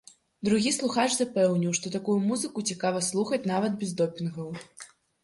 Другі слухач запэўніў, што такую музыку цікава слухаць нават без допінгаў.